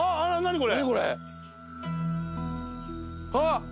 これ。